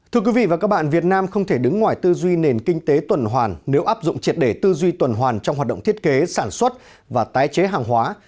thưa quý vị và các bạn việt nam không thể đứng ngoài tư duy nền kinh tế tuần hoàn nếu áp dụng triệt để tư duy tuần hoàn trong hoạt động thiết kế sản xuất và tái chế hàng hóa